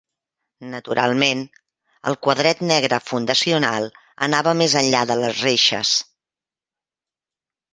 Naturalment, el quadret negre fundacional anava més enllà de les reixes.